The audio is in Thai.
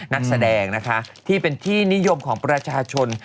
นักแสดงนะคะที่เป็นที่นิยมของประชาชน